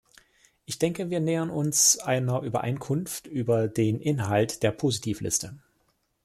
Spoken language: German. Ich denke, wir nähern uns einer Übereinkunft über den Inhalt der Positivliste.